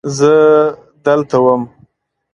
زه دلته وم.